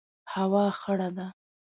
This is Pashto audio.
هوا خړه ده